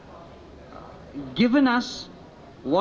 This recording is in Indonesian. apa saja yang bisa